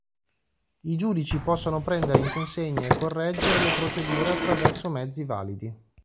I giudici possono prendere in consegna e correggere le procedure attraverso mezzi validi.